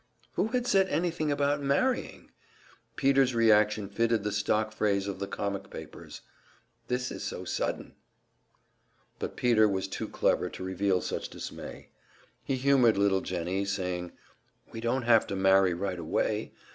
Who had said anything about marrying? Peter's reaction fitted the stock phrase of the comic papers: "This is so sudden!" But Peter was too clever to reveal such dismay. He humored little Jennie, saying, "We don't have to marry right away.